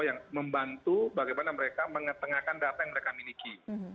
yang membantu bagaimana mereka mengetengahkan data yang mereka miliki